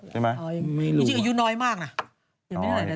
จริงอายุน้อยมากอะ